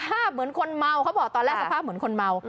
เหมือนคนเมาเขาบอกตอนแรกสภาพเหมือนคนเมา